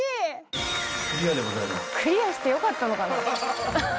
クリアしてよかったのかな。